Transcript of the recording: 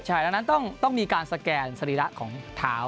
ดังนั้นต้องมีการสแกนสรีระของเท้า